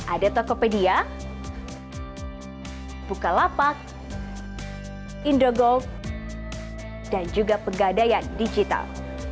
ada tokopedia bukalapak indogo dan juga pegadaian digital